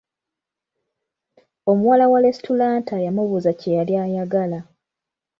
Omuwala wa lesitulanta yamubuuza kye yali ayagala.